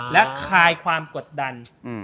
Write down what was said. และคลายความกดดัน